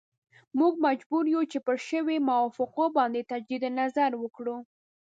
موږ مجبور یو چې پر شویو موافقو باندې تجدید نظر وکړو.